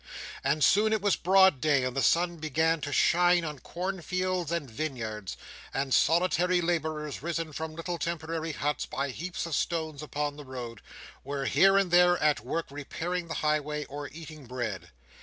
And soon it was broad day, and the sun began to shine on cornfields and vineyards; and solitary labourers, risen from little temporary huts by heaps of stones upon the road, were, here and there, at work repairing the highway, or eating bread.